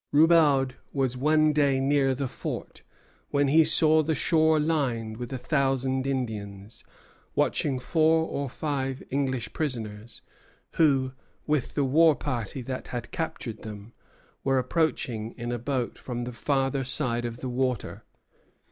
Roubaud was one day near the fort, when he saw the shore lined with a thousand Indians, watching four or five English prisoners, who, with the war party that had captured them, were approaching in a boat from the farther side of the water.